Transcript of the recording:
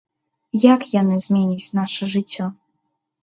Як яны зменяць наша жыццё?